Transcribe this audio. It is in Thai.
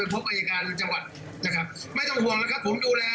ผมคุณแม่จะไปพบอายการจังหวัดนะครับ